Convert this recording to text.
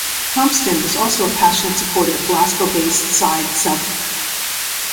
Compston is also a passionate supporter of Glasgow based side Celtic.